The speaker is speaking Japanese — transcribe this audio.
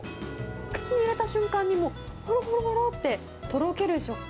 口に入れた瞬間にもう、ほろほろほろって、とろける食感。